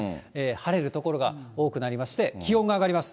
晴れる所が多くなりまして、気温が上がります。